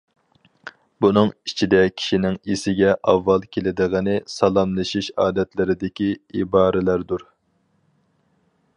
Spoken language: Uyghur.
بۇنىڭ ئىچىدە كىشىنىڭ ئېسىگە ئاۋۋال كېلىدىغىنى، سالاملىشىش ئادەتلىرىدىكى ئىبارىلەردۇر.